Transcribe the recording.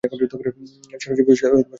সারাজীবন মনে রাখবো!